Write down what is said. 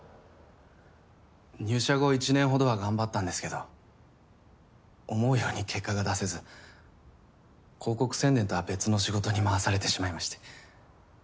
入社後１年ほどは頑張ったんですけど思うように結果が出せず広告宣伝とは別の仕事に回されてしまいまして。